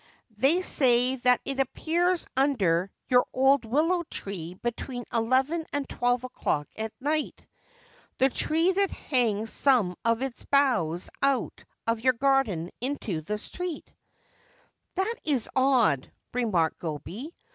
4 They say that it appears under your old willow tree between eleven and twelve o'clock at night — the tree that hangs some of its boughs out of your garden into the street/ 'That is odd,' remarked Gobei.